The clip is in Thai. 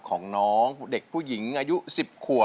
ของน้องเด็กผู้หญิงอายุ๑๐ขวบ